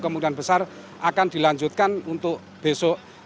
kemungkinan besar akan dilanjutkan untuk besok